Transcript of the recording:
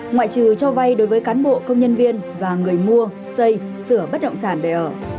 ngoại trừ cho vay đối với cán bộ công nhân viên và người mua xây sửa bất động sản để ở